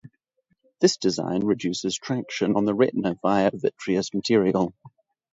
This design reduces traction on the retina via the vitreous material.